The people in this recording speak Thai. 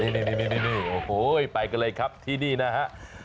นี่โอ้โหไปกันเลยครับที่นี่นะฮะ